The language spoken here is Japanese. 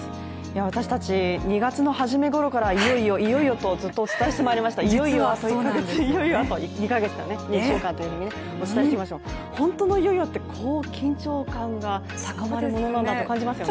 私たち２月の初めごろからいよいよ、いよいよとずっとお伝えしていましたが、いよいよあと１か月、２週間というふうにお伝えしてきましたが本当のいよいよって、こう緊張感が高まるものなんだと感じますね。